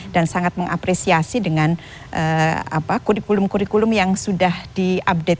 dan sangat mengapresiasi dengan kurikulum kurikulum yang sudah di update